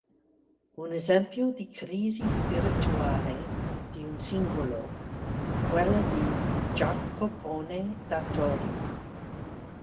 Un esempio di crisi spirituale di un singolo fu quella di Jacopone da Todi.